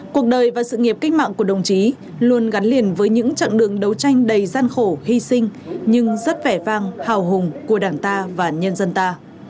cuộc đời và sự nghiệp cách mạng của đồng chí luôn gắn liền với những chặng đường đấu tranh đầy gian khổ hy sinh nhưng rất vẻ vang hào hùng của đảng ta và nhân dân ta